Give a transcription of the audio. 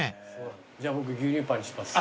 じゃあ僕牛乳パンにします。